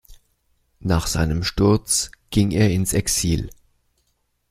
Nach seinem Sturz ging er ins Exil.